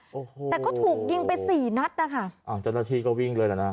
โอ้โหแต่ก็ถูกยิงไปสี่นัดนะคะอ้าวเจ้าหน้าที่ก็วิ่งเลยแหละนะ